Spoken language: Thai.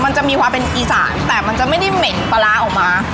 มันจะมีความเป็นอีสานแต่มันจะไม่ได้เหม็นปลาร้าออกมา